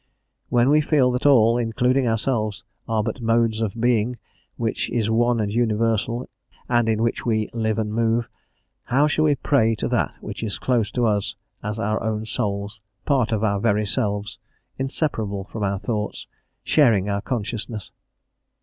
When we feel that all, including ourselves, are but modes of Being which is one and universal, and in which we "live and move," how shall we pray to that which is close to us as our own souls, part of our very selves, inseparable from our thoughts, sharing our consciousness?